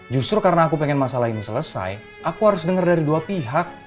justru karena aku pengen masalah ini selesai aku harus dengar dari dua pihak